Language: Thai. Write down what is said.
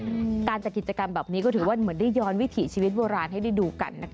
การจัดกิจกรรมแบบนี้ก็ถือว่าเหมือนได้ย้อนวิถีชีวิตโบราณให้ได้ดูกันนะคะ